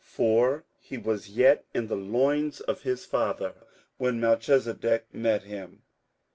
58:007:010 For he was yet in the loins of his father, when Melchisedec met him.